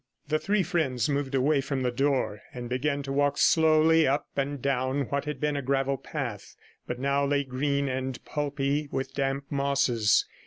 The three friends moved away from the door, and began to walk slowly up and down what had been a gravel path, but now lay green and pulpy with damp mosses.